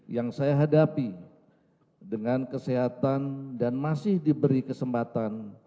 yang saya hadapi dengan kesehatan dan masih diberi kesempatan